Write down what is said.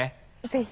ぜひ。